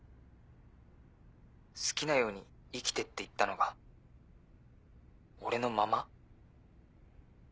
「好きなように生きて」って言ったのが俺のまま？